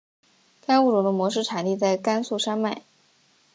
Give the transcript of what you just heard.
该物种的模式产地在甘肃山脉。